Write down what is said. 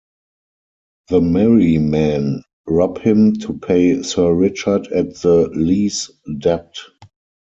The Merry Men rob him to pay Sir Richard at the Lee's debt.